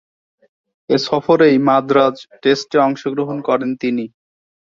এ সফরেই মাদ্রাজ টেস্টে অংশগ্রহণ করেন তিনি।